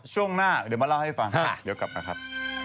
ช่วงหน้าเดี๋ยวมาเล่าให้ฟังเดี๋ยวกลับมาครับ